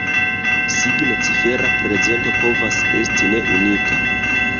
Signo-cifera prezento povas esti ne unika.